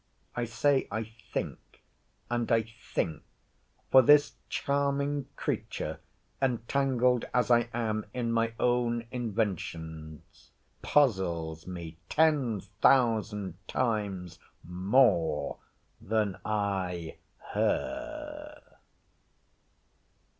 I say I think, and I think; for this charming creature, entangled as I am in my own inventions, puzzles me ten thousand times more than I her.